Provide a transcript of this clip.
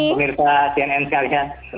selamat malam pemirsa tnn sekalian